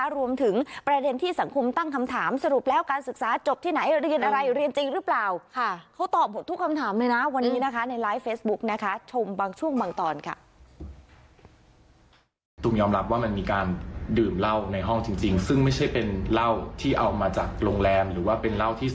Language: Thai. รวมถึงประเด็นที่สังคมตั้งคำถามสรุปแล้วการศึกษาจบที่ไหนเรียนอะไรเรียนจริงหรือเปล่า